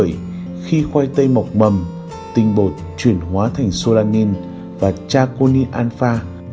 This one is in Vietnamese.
vì vậy khi khoai tây mọc mầm tinh bột chuyển hóa thành solanin và traconin alpha